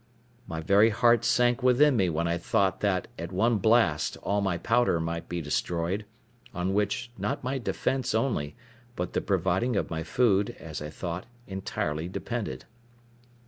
My very heart sank within me when I thought that, at one blast, all my powder might be destroyed; on which, not my defence only, but the providing my food, as I thought, entirely depended.